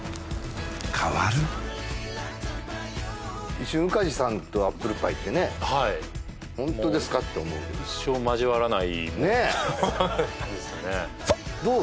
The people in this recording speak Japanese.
一瞬宇梶さんとアップルパイってねホントですか？って思うけど一生交わらないものですねどう？